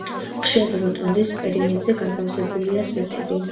ხშირად როტონდის პერიმეტრზე განთავსებულია სვეტები.